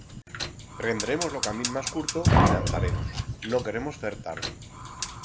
Prendremos lo camín mas curto y nantaremos, no queremos fer tarde.